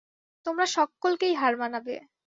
তোমরা সক্কলকেই হার মানাবে।